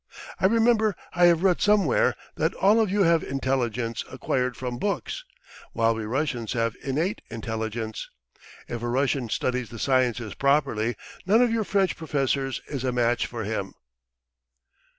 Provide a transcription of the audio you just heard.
I remember I have read somewhere that all of you have intelligence acquired from books, while we Russians have innate intelligence. If a Russian studies the sciences properly, none of your French professors is a match for him."